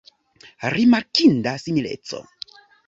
Rimarkinda simileco!